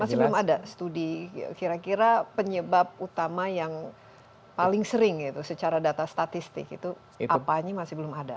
masih belum ada studi kira kira penyebab utama yang paling sering itu secara data statistik itu apanya masih belum ada